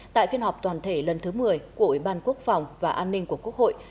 tại phiên họp toàn thể lần thứ một mươi của ủy ban quốc phòng và an ninh của quốc hội